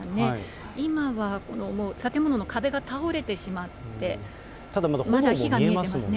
今はもう、建物の壁が倒れてしまって、まだ火が見えてますね。